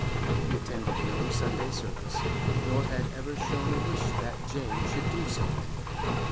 He attended no Sunday service, nor had ever shown a wish that Jane should do so.